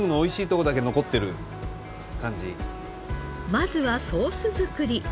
まずはソース作り。